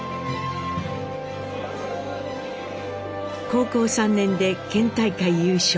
高校３年で県大会優勝。